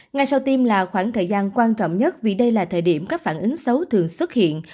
ngay sau tim là khoảng thời gian quan trọng nhất vì đây là thời điểm các phản ứng xấu thường xuất hiện